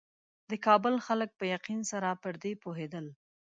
د کابل خلک په یقین سره پر دې پوهېدل.